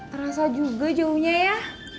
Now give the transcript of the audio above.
terasa juga jauhnya